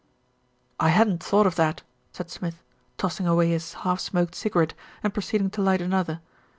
"I hadn't thought of that," said Smith, tossing away his half smoked cigarette and proceeding to light an other.